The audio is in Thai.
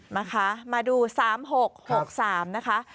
นะคะมาดู๓๖๖๓นะคะ